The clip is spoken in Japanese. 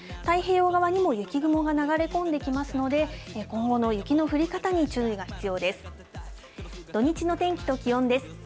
太平洋側にも雪雲が流れ込んできますので、今後の雪の降り方に注意が必要です。